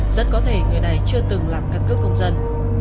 rất có thể người này chưa từng làm căn cước công dân